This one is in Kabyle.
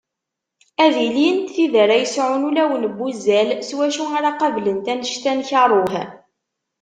Ad ilint tid ara yesɛun ulawen n wuzzal s wacu ara qablent anect-a n karuh.